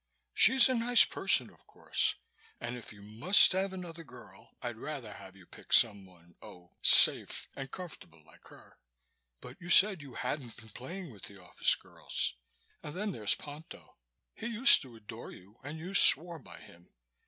She's a nice person, of course, and if you must have another girl, I'd rather have you pick someone oh safe and comfortable like her. But you said you hadn't been playing with the office girls. And then there's Ponto. He used to adore you and you swore by him.